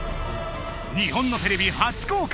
日本のテレビ初公開！